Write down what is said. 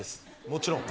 もちろん。